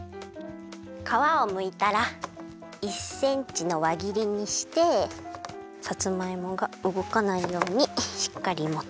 かわをむいたら１センチのわぎりにしてさつまいもがうごかないようにしっかりもって。